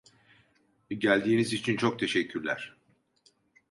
Geldiğiniz için çok teşekkürler.